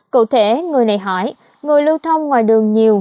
cụ thể người này hỏi người lưu thông ngoài đường nhiều